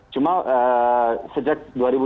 cuma sejak dua ribu delapan